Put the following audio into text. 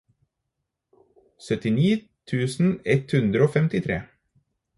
syttini tusen ett hundre og femtitre